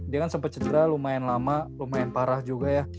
dia kan sempat cedera lumayan lama lumayan parah juga ya